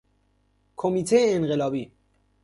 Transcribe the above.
کمیته انقلابی